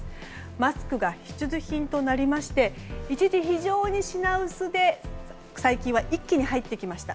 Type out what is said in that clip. マスクが必需品となりまして一時、非常に品薄で最近は一気に入ってきました。